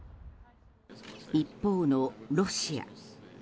一方のロシア。